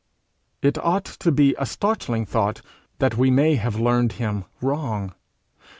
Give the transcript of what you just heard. It ought to be a startling thought, that we may have learned him wrong.